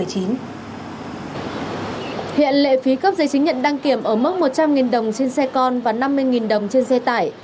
hiện lệ phí cấp giấy chứng nhận đăng kiểm ở mức một trăm linh đồng trên xe con và năm mươi đồng trên xe tải